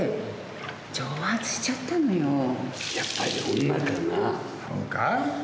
やっぱり女かな？